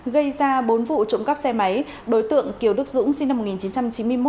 gây ra bốn vụ trộm cắp xe máy đối tượng kiều đức dũng sinh năm một nghìn chín trăm chín mươi một